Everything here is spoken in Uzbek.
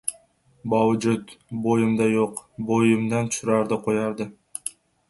Bovujud, bo‘yimda yo‘q — bo‘yimdan tushirardi-qo‘yardi!